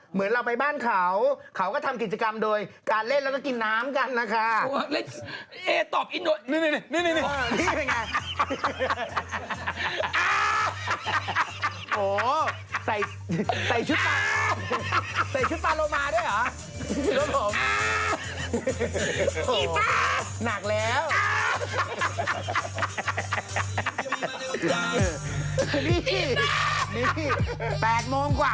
เหมือนเราไปบ้านเขาเขาก็ทำกิจกรรมโดยการเล่นแล้วก็กินน้ำกันนะคะ